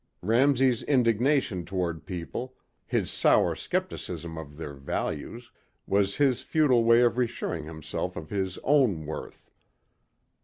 Ramsey's indignation toward people, his sour skepticism of their values, was his futile way of reassuring himself of his own worth.